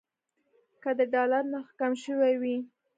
که د ډالر نرخ کم شوی وي.